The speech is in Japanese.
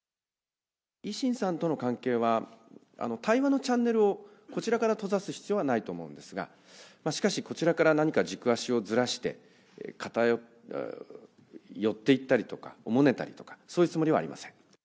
維新さんとの関係は、対話のチャンネルをこちらから閉ざす必要はないと思うんですが、しかし、こちらから何か軸足をずらして、寄っていったりとか、おもねたりとか、そういうつもりはありません。